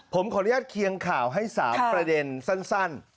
ผมขออนุญาตเคียงข่าวให้๓ประเด็นสั้น